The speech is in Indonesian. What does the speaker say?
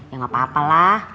ya gak apa apa lah